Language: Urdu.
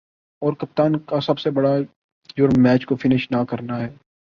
اور کپتان کا سب سے بڑا"جرم" میچ کو فنش نہ کرنا ہے ۔